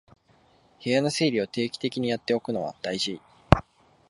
部屋の整理を定期的にやっておくのは大事